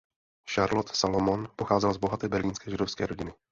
Charlotte Salomon pocházela z bohaté berlínské židovské rodiny.